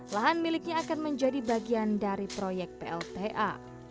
lahan miliknya akan menjadi bagian dari proyek plta